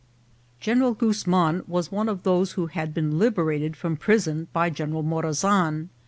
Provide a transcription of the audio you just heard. General Guzman was one of those who had been lib erated from prison by General Morazan.